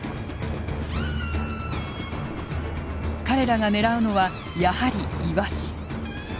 彼らが狙うのはやはりイワシ。